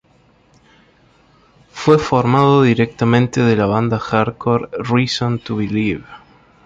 Fue formado directamente de la banda Hardcore ""Reason to Believe"".